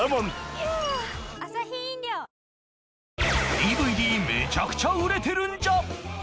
ＤＶＤ めちゃくちゃ売れてるんじゃ！！